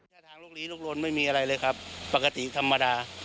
ท่าทางลูกลีลุกลนไม่มีอะไรเลยครับปกติธรรมดา